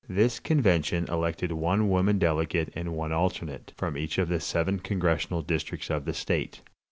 This convention elected one woman delegate and one alternate, from each of the seven congressional districts of the state.